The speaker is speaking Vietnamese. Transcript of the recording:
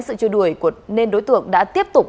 sự chơi đuổi nên đối tượng đã tiếp tục